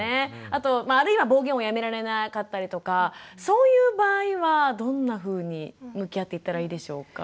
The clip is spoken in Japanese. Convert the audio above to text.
あとあるいは暴言をやめられなかったりとかそういう場合はどんなふうに向き合っていったらいいでしょうか？